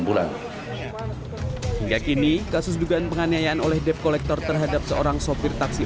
bulan hingga kini kasus dugaan penganiayaan oleh debt collector terhadap seorang sopir taksi